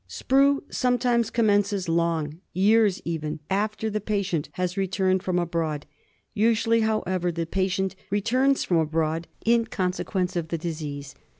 Sprue sometimes commences long — years even — after the patient has returned from abroad ; usually, however, the patient returns from abroad in consequence of the disease.